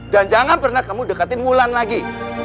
dan jangan pernah kamu dekatin mulan lagi